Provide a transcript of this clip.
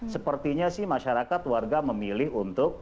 sepertinya sih masyarakat warga memilih untuk